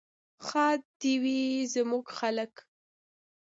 ښاد دې وي زموږ خلک.